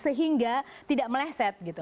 sehingga tidak meleset gitu